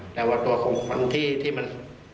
แต่ว่าตัวของคนที่มัน